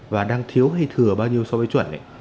và đang thiếu hay thừa bao nhiêu so với chuẩn